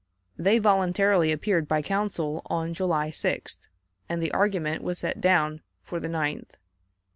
They voluntarily appeared by counsel on July 6th, and the argument was set down for the 9th.